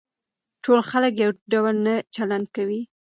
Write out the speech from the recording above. ټول خلک يو ډول نه چلن کوي.